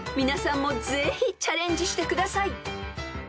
［皆さんもぜひチャレンジしてください］